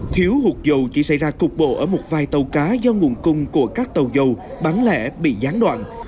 thiếu hụt dầu chỉ xảy ra cục bộ ở một vài tàu cá do nguồn cung của các tàu dầu bán lẻ bị gián đoạn